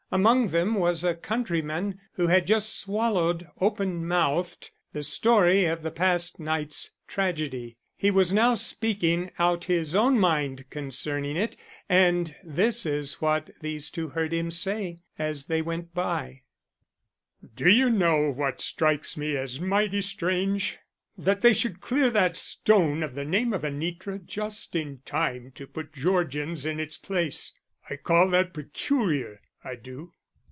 Among them was a countryman who had just swallowed, open mouthed, the story of the past night's tragedy. He was now speaking out his own mind concerning it, and this is what these two heard him say as they went by: "Do you know what strikes me as mighty strange? That they should clear that stone of the name of Anitra just in time to put Georgian's in its place. I call that peculiar, I do."